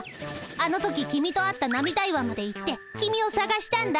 あの時君と会った涙岩まで行って君をさがしたんだ。